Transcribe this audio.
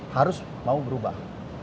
harus mau berubah